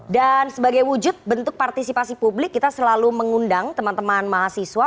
dan sebagai wujud bentuk partisipasi publik kita selalu mengundang teman teman mahasiswa